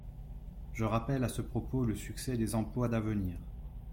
Je rappelle à ce propos le succès des emplois d’avenir.